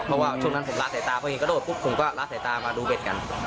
เพราะว่าช่วงนั้นผมละสายตาพอเห็นกระโดดปุ๊บผมก็ละสายตามาดูเบ็ดกัน